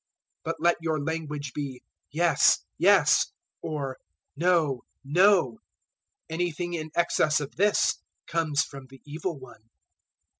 005:037 But let your language be, `Yes, yes,' or `No, no.' Anything in excess of this comes from the Evil one.